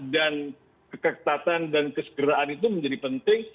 dan keketatan dan kesegeraan itu menjadi penting